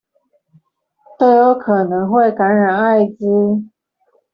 都有可能會感染愛滋